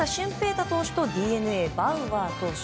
大投手とＤｅＮＡ、バウアー投手。